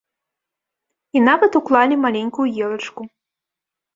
І нават уклалі маленькую елачку.